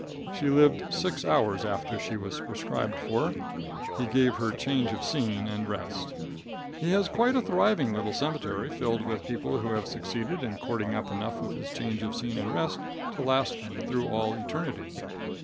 She lived six hours after she was prescribed for. He gave her change of scene and rest. He has quite a thriving little cemetery filled with people who have succeeded in cording up enough of his change of scene and rest to last them through all eternity.